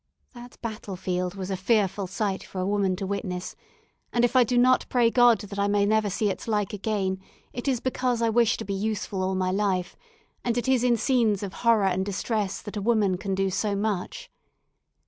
That battle field was a fearful sight for a woman to witness, and if I do not pray God that I may never see its like again, it is because I wish to be useful all my life, and it is in scenes of horror and distress that a woman can do so much.